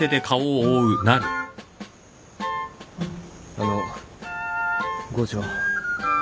あの郷長。